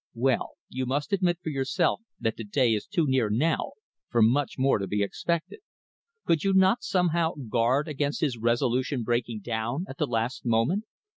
"Well, you must admit for yourself that the day is too near now for much more to be expected. Could you not somehow guard against his resolution breaking down at the last moment?